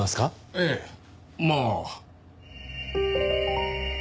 ええまあ。